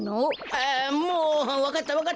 あもうわかったわかった。